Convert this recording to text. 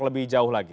lebih jauh lagi